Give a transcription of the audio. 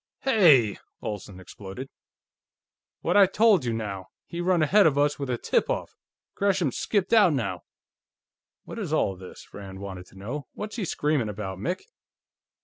"Hey!" Olsen exploded. "What I told you, now; he run ahead of us with a tip off! Gresham's skipped out, now!" "What is all this?" Rand wanted to know. "What's he screaming about, Mick?"